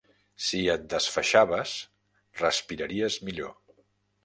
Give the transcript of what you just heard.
Si et desfaixaves, respiraries millor.